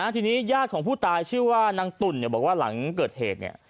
ทีนี้ญาติของผู้ตายชื่อว่านางตุ่นบอกว่าหลังเกิดเหตุเนี่ย